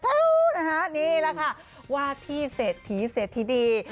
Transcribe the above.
นี่แหละค่ะว่าที่เสร็จทีเสร็จทีดี